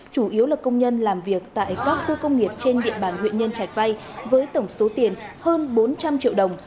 chủ yếu là công nhân làm việc tại các khu công nghiệp trên địa bàn huyện nhân trạch vay với tổng số tiền hơn bốn trăm linh triệu đồng